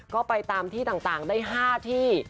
ก็ไปตามที่ต่างได้๕ที่